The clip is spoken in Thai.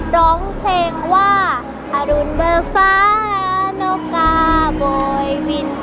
ร้องเพลงว่าอรุณเบิกฟ้านกกาบอยวิน